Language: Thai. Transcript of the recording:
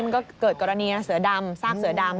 ก็เกิดกรณีเสือดำซากเสือดำ